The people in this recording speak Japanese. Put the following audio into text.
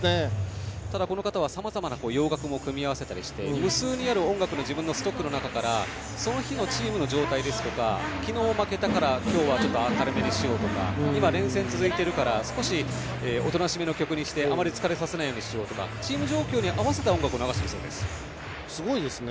ただ、この方はさまざまな洋楽も組み合わせて無数にある音楽の自分のストックの中からその日のチームの状態ですとか昨日負けたから今日は明るめにしようとか今、連戦が続いているから少しおとなしめの曲にして疲れさせないようにしようとかチーム状況に合わせた音楽を流しているそうですよ。